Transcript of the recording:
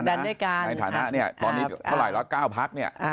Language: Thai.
จะผลักดันด้วยกันในฐานะตอนนี้เท่าไหร่หรอ๙พักเนี่ย